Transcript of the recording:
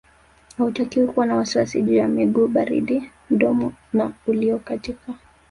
Hautakiwi kuwa na wasiwasi juu ya miguu baridi mdomo na uliokatika